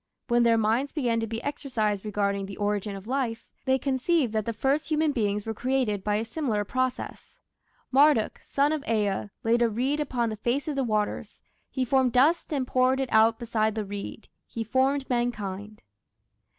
When their minds began to be exercised regarding the origin of life, they conceived that the first human beings were created by a similar process: Marduk (son of Ea) laid a reed upon the face of the waters, He formed dust and poured it out beside the reed ... He formed mankind.